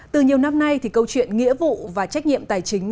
từ nhiều năm nay thì câu chuyện nghĩa vụ và trách nhiệm tài chính